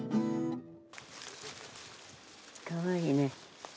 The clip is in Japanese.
かわいいね。